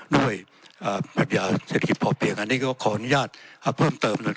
ปัญญาเศรษฐกิจพอเพียงอันนี้ก็ขออนุญาตเพิ่มเติมหน่อย